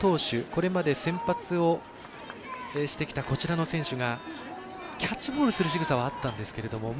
これまで先発をしてきたこちらの選手がキャッチボールするしぐさはあったんですけど。